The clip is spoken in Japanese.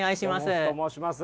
山本と申します。